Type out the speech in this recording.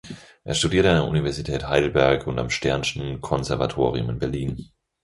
Er studierte an der Universität Heidelberg und am Stern’schen Konservatorium in Berlin.